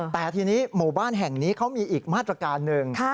แต่ทีนี้หมู่บ้านแห่งนี้เขามีอีกมาตรการหนึ่ง